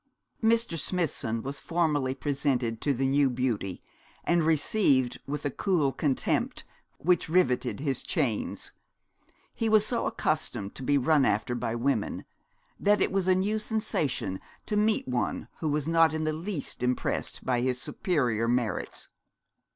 Mr. Smithson was formally presented to the new beauty, and received with a cool contempt which riveted his chains. He was so accustomed to be run after by women, that it was a new sensation to meet one who was not in the least impressed by his superior merits.